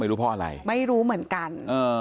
รู้เพราะอะไรไม่รู้เหมือนกัน